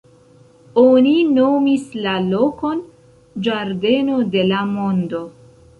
Oni nomis la lokon "Ĝardeno de la Mondo".